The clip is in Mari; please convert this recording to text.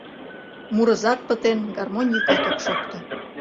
Мурызат пытен, гармонь йӱкат ок шокто.